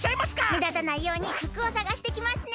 めだたないようにふくをさがしてきますね！